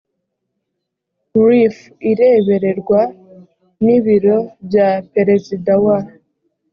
reaf irebererwa n ibiro bya perezida wa